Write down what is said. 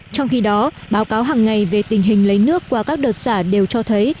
trong khi đó báo cáo hàng ngày về tình hình lấy nước qua các đợt xả đều cho thấy